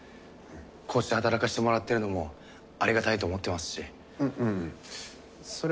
こうして働かしてもらってるのもありがたいと思ってますし。